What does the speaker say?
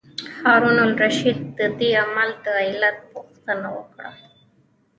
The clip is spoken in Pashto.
هارون الرشید د دې عمل د علت پوښتنه وکړه.